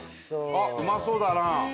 あっうまそうだな！